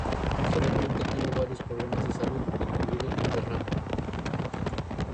Posteriormente tuvo varios problemas de salud, incluido un derrame.